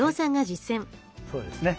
そうですね。